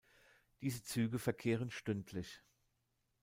Diese Züge verkehren stündlich.